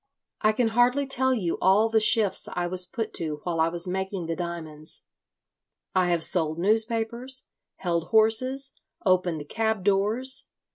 "I can hardly tell you all the shifts I was put to while I was making the diamonds. I have sold newspapers, held horses, opened cab doors.